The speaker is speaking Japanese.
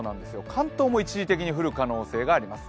関東も一時的に降る可能性があります。